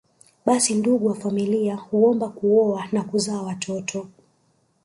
Basi ndugu wa familia huombwa kuoa na kuzaa watoto